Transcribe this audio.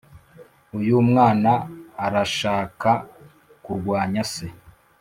uyu mwan arshaka kurwanya se